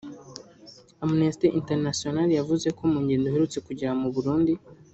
Amnesty International yavuze ko mu ngendo iherutse kugirira mu Burundi